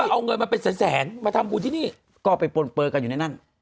เอาเงินมาเป็นแสนมาทำบุญที่นี่ก็ไปปนเปลือกันอยู่ในนั้น